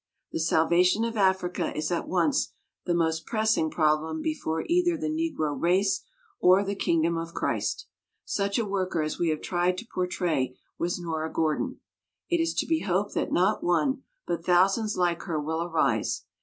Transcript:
The salvation of Africa is at once the most pressing problem before either the Negro race or the Kingdom of Christ. Such a worker as we have tried to portray was Nora Gordon. It is to be hoped that not one but thousands like her will arise.